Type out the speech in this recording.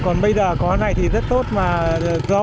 còn bây giờ có này thì rất tốt mà do